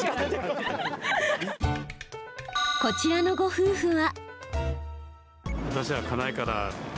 こちらのご夫婦は。